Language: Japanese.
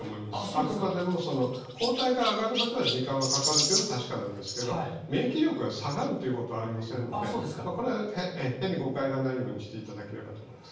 あくまでも抗体が上がるまでは時間がかかるというのは確かなんですけど免疫力が下がるということはありませんのでこれは変に誤解がないようにしていただければと思います。